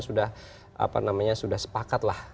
sudah sepakat lah